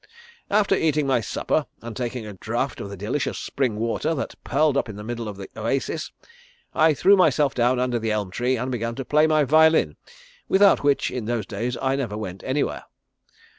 "After eating my supper and taking a draught of the delicious spring water that purled up in the middle of the oasis, I threw myself down under the elm tree, and began to play my violin, without which in those days I never went anywhere."